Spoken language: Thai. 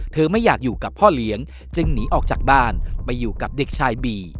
ไม่อยากอยู่กับพ่อเลี้ยงจึงหนีออกจากบ้านไปอยู่กับเด็กชายบี